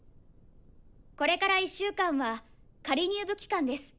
これから１週間は仮入部期間です。